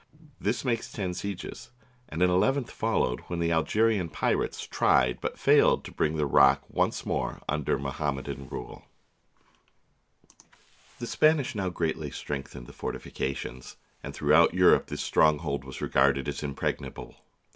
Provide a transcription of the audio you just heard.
This makes ten sieges, and an eleventh followed when the Al gerian pirates tried but failed to bring the rock once more under Mohammedan rule. THE SIEGE OF GIBRALTAR The Spanish now greatly strengthened the forti fications, and throughout Europe this stronghold was regarded as impregnable.